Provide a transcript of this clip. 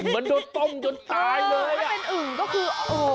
มันโดดต้มจนตายเลย